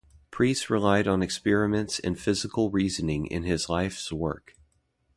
Preece relied on experiments and physical reasoning in his life's work.